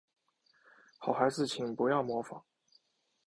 好孩子请不要模仿